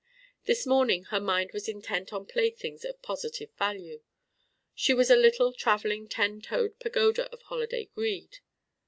This morning her mind was intent on playthings of positive value: she was a little travelling ten toed pagoda of holiday greed.